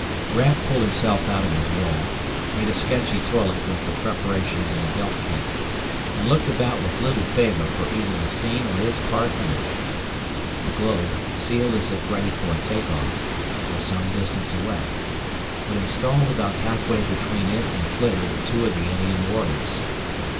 Raf pulled himself out of his roll, made a sketchy toilet with the preparations in a belt kit, and looked about with little favor for either the scene or his part in it. The globe, sealed as if ready for a take off, was some distance away, but installed about halfway between it and the flitter were two of the alien warriors.